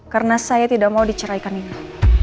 karena saya tidak mau diceraikan nino